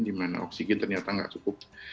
dimana oksigen ternyata tidak cukup